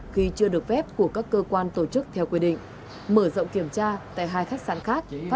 khi chưa được phép của các cơ quan tổ chức theo quy định